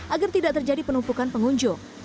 agar tidak terjadi penumpukan pengunjung